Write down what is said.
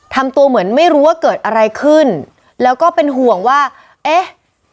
ทำตัวเหมือนไม่รู้ว่าเกิดอะไรขึ้นแล้วก็เป็นห่วงว่าเอ๊ะ